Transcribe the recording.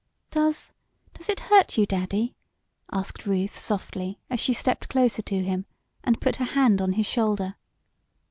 "Does does it hurt you, Daddy?" asked Ruth softly, as she stepped closer to him, and put her hand on his shoulder.